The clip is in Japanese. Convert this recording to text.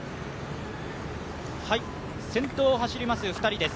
先頭を走ります２人です。